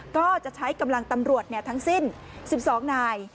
ก็จะใช้กำลังตำรวจทั้งสิ้น๑๒นาย